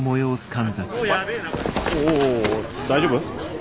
お大丈夫？